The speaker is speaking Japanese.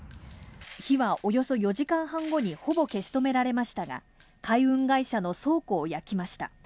火はおよそ４時間半後にほぼ消し止められましたが、海運会社の倉庫を焼きました。